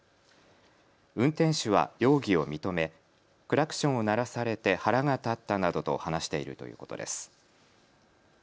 運転手は容疑を認めクラクションを鳴らされて腹が立ったなどと話しているということです。